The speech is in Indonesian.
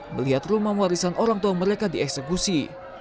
melihat rumah warisan orang tua mereka dieksekusi